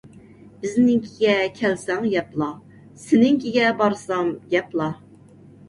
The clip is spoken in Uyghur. بىزنىڭكىگە كەلسەڭ يەپلا، سېنىڭكىگە بارسام گەپلا.